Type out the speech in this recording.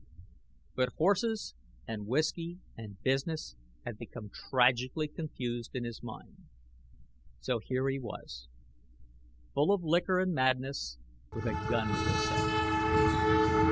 But horses and whiskey and business had become tragically confused in his mind; so here he was, full of liquor and madness, with a gun to his head.